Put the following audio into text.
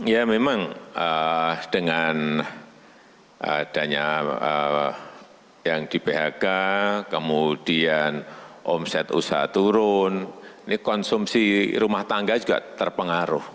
ya memang dengan adanya yang di phk kemudian omset usaha turun ini konsumsi rumah tangga juga terpengaruh